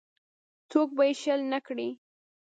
څوک به یې شل نه کړي.